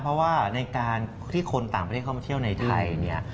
เพราะว่าในการที่คนต่างประเทศเข้ามาเที่ยวในไทยเนี่ย